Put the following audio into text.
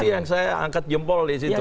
ini yang saya angkat jempol di situ